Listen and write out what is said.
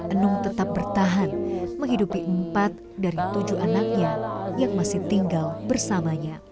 enung tetap bertahan menghidupi empat dari tujuh anaknya yang masih tinggal bersamanya